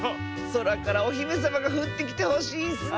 そらからおひめさまがふってきてほしいッスね！